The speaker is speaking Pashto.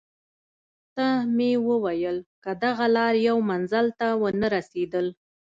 ته مې وویل: که دغه لار یو منزل ته ونه رسېدل.